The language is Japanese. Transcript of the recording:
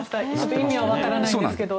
意味はわからないですけど。